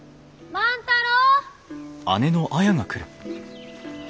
万太郎！